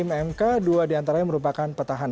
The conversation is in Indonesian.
sampai jumpa lagi